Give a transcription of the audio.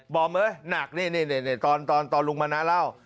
อมเอ้ยหนักนี่ตอนลุงมณะเล่า